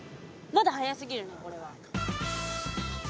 まだ早すぎるねこれは。